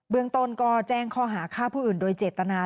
เมืองต้นก็แจ้งข้อหาฆ่าผู้อื่นโดยเจตนา